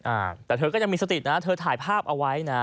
อ่าแต่เธอก็ยังมีสตินะเธอถ่ายภาพเอาไว้นะ